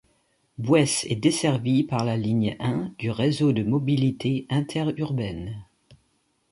Bouesse est desservie par la ligne I du Réseau de mobilité interurbaine.